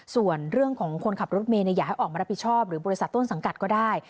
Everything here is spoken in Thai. ส่วนเรื่องของคนขับรถเมย์อยากให้ออกมารับผิดชอบหรือบริษัทต้นสังกัดก็ได้